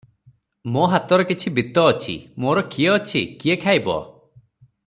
ମୋ ହାତର କିଛି ବିତ୍ତ ଅଛି- ମୋର କିଏ ଅଛି, କିଏ ଖାଇବ?